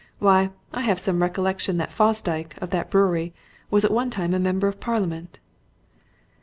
why, I have some recollection that Fosdyke, of that brewery, was at one time a member of Parliament."